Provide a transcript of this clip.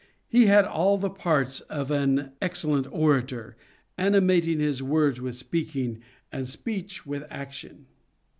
He had all the parts of an excellent orator, animating his words with speaking and speech with action.